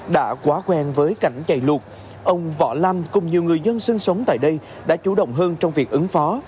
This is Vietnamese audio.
đã quá quen với cảnh chạy lụt ông võ lâm cùng nhiều người dân sinh sống tại đây đã chủ động hơn trong việc ứng phó